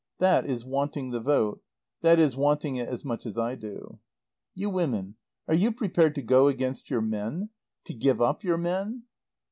That is wanting the vote. That is wanting it as much as I do. "You women are you prepared to go against your men? To give up your men?"